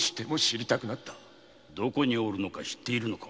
どこにおるのか知っているのか？